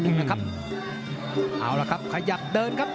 เอาละครับขยับเดินครับ